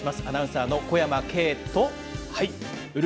アナウンサーの小山径と。